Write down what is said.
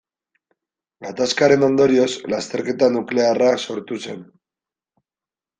Gatazkaren ondorioz lasterketa nuklearra sortu zen.